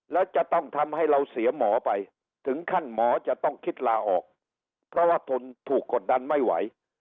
แล้วจะต้องทำให้เราเสียหมอไปถึงขั้นหมอจะต้องคิดลาออกเพราะว่าทนถูกกดดันไม่ไหว